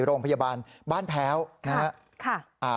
โรงพยาบาลบ้านแพ้วนะฮะค่ะ